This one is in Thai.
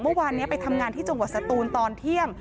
เมื่อวานนี้ไปทำงานที่จังหวัดสตูนตอนเที่ยง